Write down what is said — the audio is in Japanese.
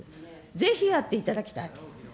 ぜひやっていただきたい。